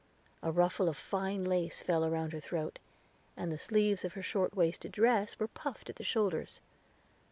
A ruffle of fine lace fell around her throat, and the sleeves of her short waisted dress were puffed at the shoulders.